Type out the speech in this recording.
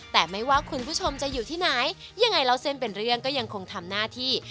แต่ไม่ว่าคุณผู้ชมจะอยู่ที่ไหนยังไงเล่าเส้นเป็นเรื่องก็ยังคงทำหน้าที่